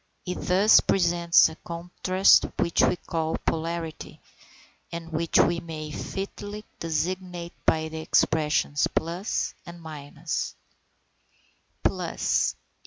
It thus presents a contrast which we call a polarity, and which we may fitly designate by the expressions plus and minus. _Plus.